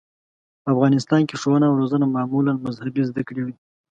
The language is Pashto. په افغانستان کې ښوونه او روزنه معمولاً مذهبي زده کړې وې.